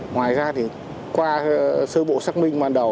ngoài ra thì qua sơ bộ xác minh ban đầu